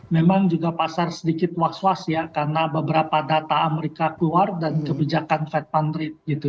memang juga pasar sedikit was was ya karena beberapa data amerika keluar dan kebijakan fed fund rate gitu